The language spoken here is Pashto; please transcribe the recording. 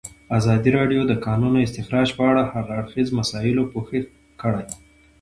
ازادي راډیو د د کانونو استخراج په اړه د هر اړخیزو مسایلو پوښښ کړی.